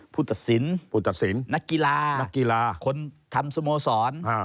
ผู้ตัดสินนักกีฬาคนทำสมสอน